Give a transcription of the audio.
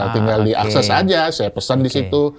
tinggal diakses aja saya pesen disitu